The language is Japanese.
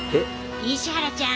石原ちゃん